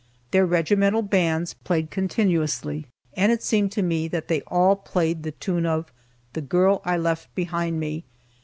Their regimental bands played continuously and it seemed to me that they all played the tune of "The Girl I Left Behind Me."